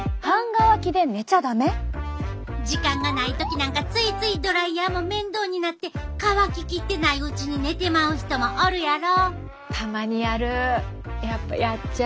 時間がない時なんかついついドライヤーも面倒になって乾き切ってないうちに寝てまう人もおるやろ。